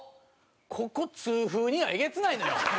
ここ痛風にはえげつないのよ。